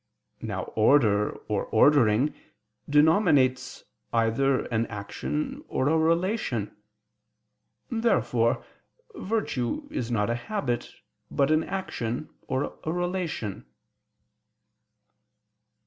Now order, or ordering, denominates either an action or a relation. Therefore virtue is not a habit, but an action or a relation.